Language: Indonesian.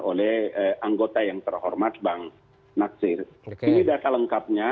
oleh anggota yang terhormat bang nasir ini data lengkapnya